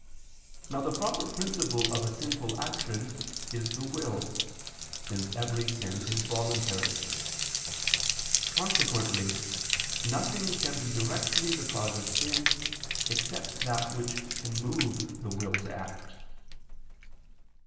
Now the proper principle of a sinful action is the will, since every sin is voluntary. Consequently nothing can be directly the cause of sin, except that which can move the will to act.